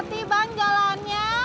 ati ati bang jalannya